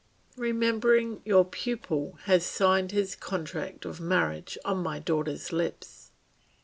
Remembering your pupil has signed his contract of marriage on my daughter's lips."